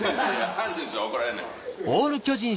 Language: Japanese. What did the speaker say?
阪神師匠は怒られないです。